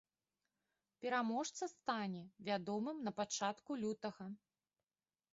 Пераможца стане вядомым на пачатку лютага.